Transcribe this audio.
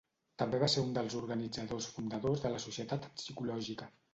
També va ser un dels organitzadors fundadors de la Societat Psicològica.